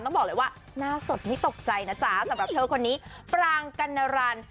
ต้องบอกเลยว่าหน้าสดนี่ตกใจนะจ๊ะสำหรับเธอคนนี้ปรางกัณรัน